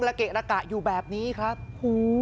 เกะละกะอยู่แบบนี้ครับหู